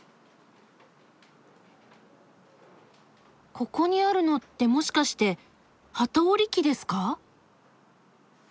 ここにあるのってもしかして機織り機ですか？